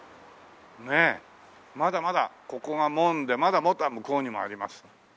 まだまだここが門でまだもっと向こうにもあります。